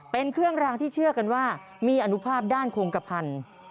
เป็นเครื่องรางที่เชื่อกันว่ามีอนุภาพด้านโครงกระพันธุ์